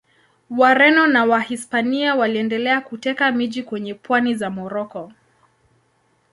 Wareno wa Wahispania waliendelea kuteka miji kwenye pwani za Moroko.